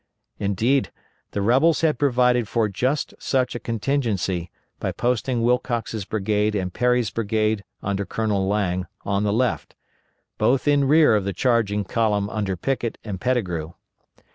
Indeed, the rebels had provided for just such a contingency, by posting Wilcox's brigade and Perry's brigade under Colonel Lang on the left, both in rear of the charging column under Pickett and Pettigrew.